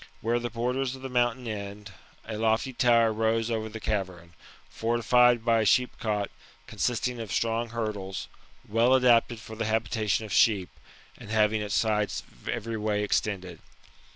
Where the borders of the mountain end, a lofty tower rose over the cavern, fortified by a sheepcot consisting of strong hurdles, well adapted for the habitation of sheep, and having its sides every way extended.